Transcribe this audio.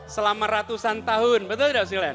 selama ratusan tahun betul tidak silen